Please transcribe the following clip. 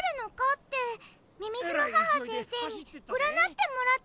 ってみみずの母先生にうらなってもらってたの。